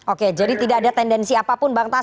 oke jadi tidak ada tendensi apapun bang tas